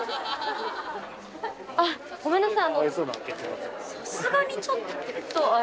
あごめんなさい。